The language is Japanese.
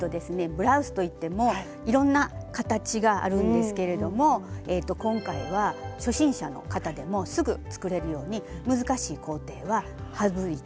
ブラウスといってもいろんな形があるんですけれども今回は初心者の方でもすぐ作れるように難しい工程は省いて。